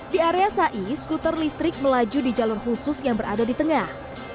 di area sai skuter listrik melaju di jalur khusus yang berada di tengah